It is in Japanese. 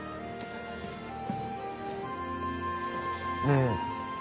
ねえ。